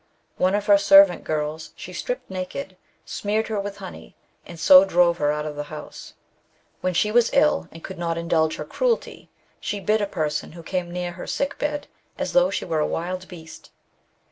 One of her servant girls she stripped naked, smeared her with honey, and so drove her out of the house. NATURAL CAUSES OF LYCANTHROPY. 141 " When she was ill, and could not indulge her cruelty, she hit a person who came near her sick hed as though she were a wild heast.